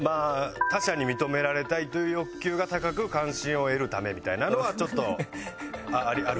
「他者に認められたいという欲求が高く関心を得るため」みたいなのはちょっとあるかもしれない。